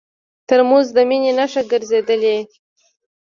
ترموز د مینې نښه ګرځېدلې.